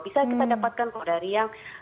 bisa kita dapatkan kalau dari yang